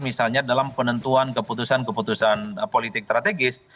misalnya dalam penentuan keputusan keputusan politik strategis